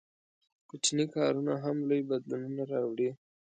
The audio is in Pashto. • کوچني کارونه هم لوی بدلونونه راوړي.